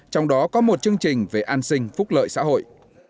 trong đó có một chương trình về an sinh phúc lợi xã hội